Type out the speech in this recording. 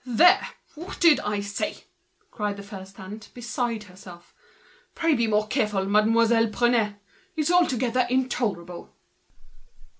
"There! what did I say!" cried the first hand, beside herself. "Pray be more careful, Mademoiselle Prunaire; it's intolerable!"